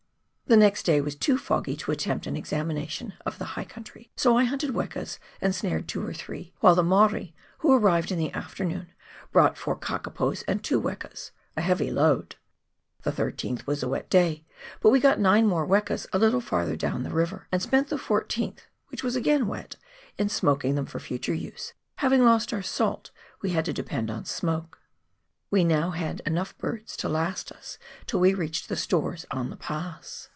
The next day was too foggy to attempt an examination of the high country, so I hunted wekas and snared two or three, while the Maori, who arrived in the afternoon, brought four kakapos and two wekas — a heavy load. The 13th was a wet day, but we got nine more wekas a little further down the river, and spent the 14th, which was again wet, in smoking them for future use — having lost our salt we had to depend on smoke. We had now enough birds to last us till we reached the stores on the pass.